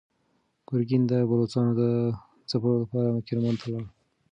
ګورګین د بلوڅانو د ځپلو لپاره کرمان ته لاړ.